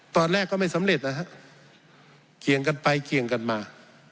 ตอนแรกก็ไม่สำเร็จนะฮะเคียงกันไปเคียงกันมา